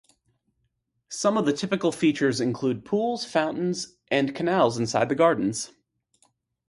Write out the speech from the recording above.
Some of the typical features include pools, fountains and canals inside the gardens.